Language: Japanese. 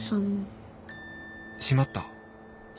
しまった